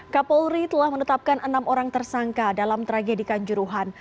kapolri telah menetapkan enam orang tersangka dalam tragedi kanjuruhan